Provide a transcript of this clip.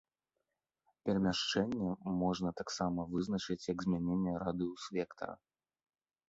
Перамяшчэнне можна таксама вызначыць як змяненне радыус-вектара.